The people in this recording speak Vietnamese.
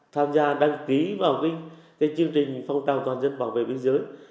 tham gia đăng ký vào chương trình phong trào toàn dân bảo vệ biên giới